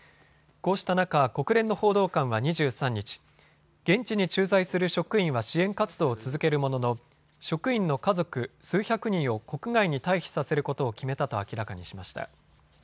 こうした中、国連の報道官は２３日、現地に駐在する職員は支援活動を続けるものの職員の家族、数百人を国外に退避させることを決めたと明らかにしました。